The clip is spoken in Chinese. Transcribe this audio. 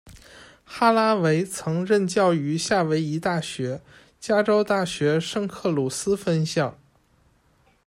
哈拉维曾任教于夏威夷大学、加州大学圣克鲁斯分校。